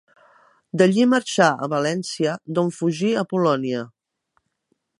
D'allí marxà a València, d'on fugí a Polònia.